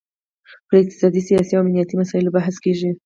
پر اقتصادي، سیاسي او امنیتي مسایلو بحث کیږي